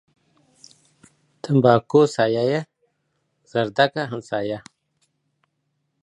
تنباکو سايه غيي ، زردکه همسايه.